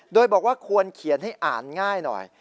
โดยบอกว่าควรเขียนให้อ่านง่ายหน่อย